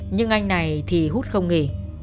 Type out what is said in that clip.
nhưng anh này thì hút không nghỉ